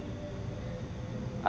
atas kebenaran anda